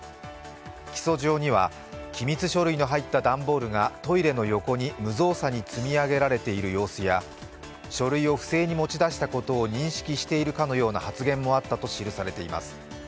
起訴状には、機密書類の入った段ボールがトイレの横に無造作に積み上げられている様子や書類を不正に持ち出したことを認識しているかのような発言もあったと記されています。